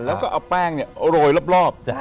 แล้วก็เอาแป้งโรยรอบ